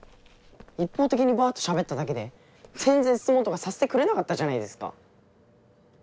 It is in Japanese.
一方的にバっとしゃべっただけで全然質問とかさせてくれなかったじゃないですか。